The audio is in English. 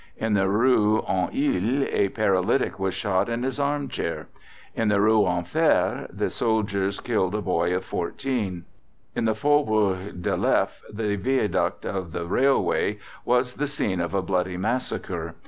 In the Rue en Ile a paralytic was shot in his armchair. In the Rue Enfer the soldiers killed a young boy of 14. In the Faubourg de Leffe the viaduct of the railway was the scene of a bloody massacre.